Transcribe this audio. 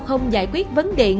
không giải quyết vấn điện